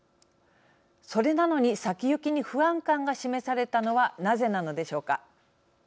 それなのに先行きに不安感が示されたのはなぜなのでしょうか。